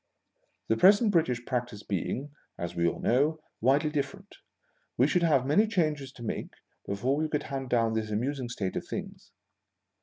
The present British practice being, as we all know, widely different, we should have many changes to make before we could hand down this amusing state of things.